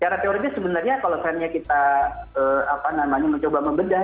cara teori sebenarnya kalau kita mencoba membedah